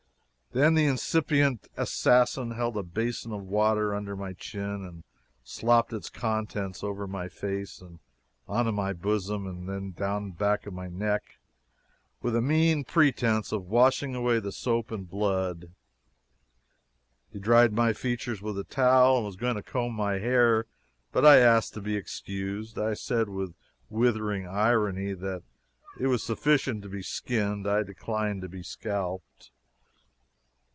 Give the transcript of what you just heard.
Then the incipient assassin held a basin of water under my chin and slopped its contents over my face, and into my bosom, and down the back of my neck, with a mean pretense of washing away the soap and blood. He dried my features with a towel and was going to comb my hair, but I asked to be excused. I said, with withering irony, that it was sufficient to be skinned I declined to be scalped.